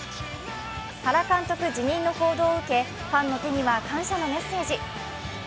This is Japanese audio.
原監督辞任の報道を受け、ファンの手には感謝のメッセージ。